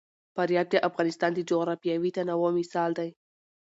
فاریاب د افغانستان د جغرافیوي تنوع مثال دی.